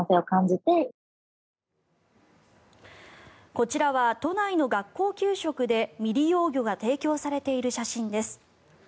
こちらは都内の学校給食で未利用魚が提供されている写真です。